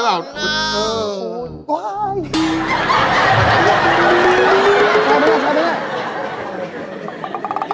อาหารการกิน